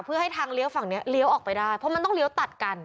เพื่อให้ทางเลี้ยวฝั่งนี้เลี้ยวออกไปได้เพราะมันต้องเลี้ยวตัดกัน